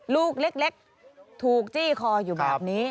ลูกเล็กถูกจี้คออยู่แบบนี้